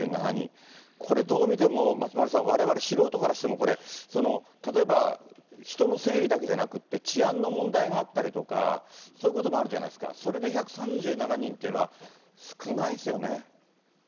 これ、どう見ても松丸さん、われわれ素人からしても、これ、例えば人の整理だけじゃなくて、治安の問題があったりとか、そういうこともあるじゃないですか、それで１３７人っていうのは少ないですよね。